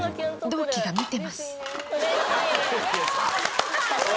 同期が見てます